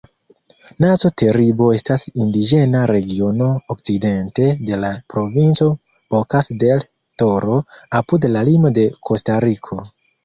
Nazo-Teribo estas indiĝena regiono okcidente de la provinco Bokas-del-Toro, apud la limo de Kostariko.